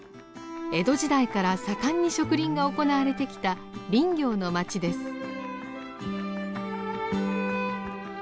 江戸時代から盛んに植林が行われてきた林業の町です。